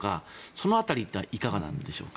その辺りっていうのはいかがなんでしょうか。